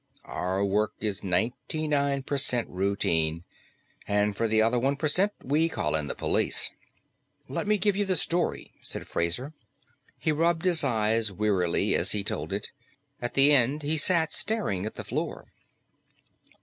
Our work is ninety nine percent routine; and for the other one percent, we call in the police." "Let me give you the story," said Fraser. He rubbed his eyes wearily as he told it. At the end, he sat staring at the floor.